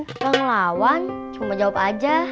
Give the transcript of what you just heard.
kalau ngelawan cuma jawab aja